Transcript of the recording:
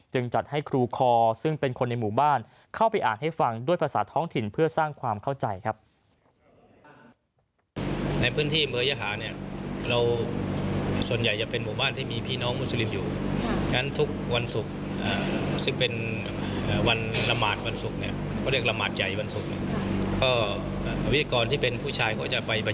จัดให้ครูคอซึ่งเป็นคนในหมู่บ้านเข้าไปอ่านให้ฟังด้วยภาษาท้องถิ่นเพื่อสร้างความเข้าใจครับ